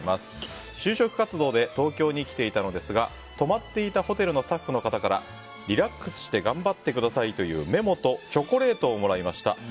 就職活動で東京に来ていたのですが泊まっていたホテルのスタッフの方からリラックスして頑張ってくださいというメモとチョコレートをもらいました。